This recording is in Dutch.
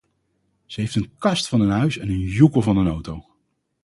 Ze heeft een kast van een huis en een joekel van een auto.